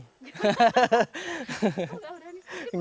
kok gak berani